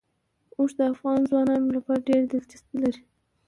اوښ د افغان ځوانانو لپاره ډېره دلچسپي لري.